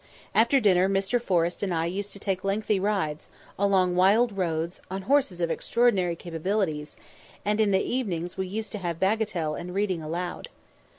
After dinner Mr. Forrest and I used to take lengthy rides, along wild roads, on horses of extraordinary capabilities, and in the evening we used to have bagatelle and reading aloud.